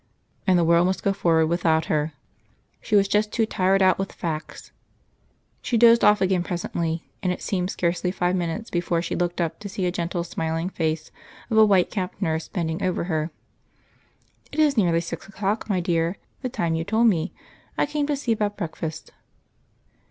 And the world must go forward without her. She was just tired out with Facts. She dozed off again presently, and it seemed scarcely five minutes before she looked up to see a gentle smiling face of a white capped nurse bending over her. "It is nearly six o'clock, my dear the time you told me. I came to see about breakfast."